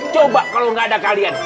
coba kalau nggak ada kalian